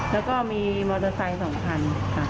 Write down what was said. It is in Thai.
แล้วก็มีมอเตอร์ไซค์๒คันค่ะ